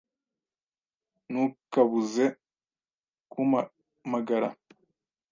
Ntukabuze kumpamagara.